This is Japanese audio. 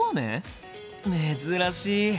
珍しい！